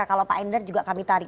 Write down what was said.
kalau pak endar juga kami tarik